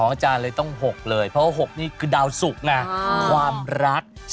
อาจารย์เลยต้อง๖เลยเพราะว่า๖นี่คือดาวสุกไงความรัก